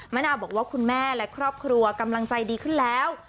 นาวบอกว่าคุณแม่และครอบครัวกำลังใจดีขึ้นแล้ว